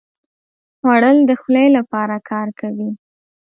خوړل د خولې لپاره کار کوي